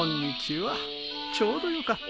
ちょうどよかった。